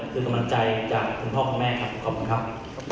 คือกำนะใจจากพ่อพ่อพ่อแม่ขอบคุณครับ